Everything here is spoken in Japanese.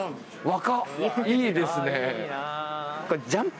いいですよ。